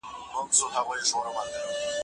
موږ باید د څيړني په ارزښت باندې پوه شو.